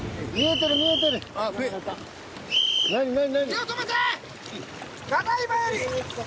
手を止めて！